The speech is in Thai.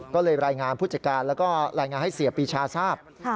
ก็เลยรายงานผู้จัดการแล้วก็รายงานให้เสียปีชาทราบ